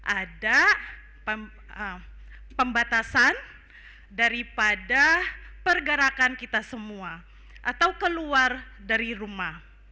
ada pembatasan daripada pergerakan kita semua atau keluar dari rumah